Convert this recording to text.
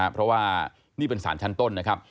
เพราะว่านี่เป็นสารชั้นต้นนะครับ